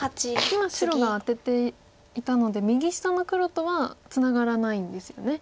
今白がアテていたので右下の黒とはツナがらないんですよね。